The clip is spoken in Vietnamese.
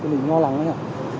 mình lo lắng đấy hả